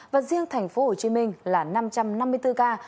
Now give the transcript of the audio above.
và riêng thành phố hồ chí minh là năm trăm năm mươi bốn ca